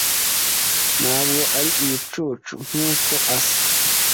ntabwo ari ibicucu nkuko asa.